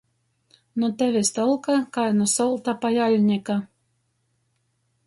Nu tevis tolka kai nu solta pojaļnika.